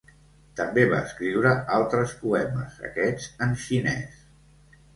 També va escriure altres poemes, aquests en xinès.